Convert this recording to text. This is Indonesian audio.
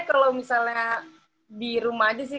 kalau misalnya di rumah aja sih